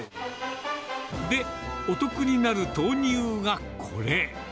で、お得になる豆乳がこれ。